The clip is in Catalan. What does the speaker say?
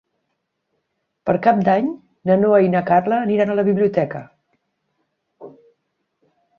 Per Cap d'Any na Noa i na Carla aniran a la biblioteca.